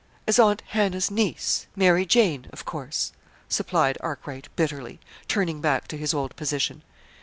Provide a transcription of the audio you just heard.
"As Aunt Hannah's niece, Mary Jane, of course," supplied Arkwright, bitterly, turning back to his old position.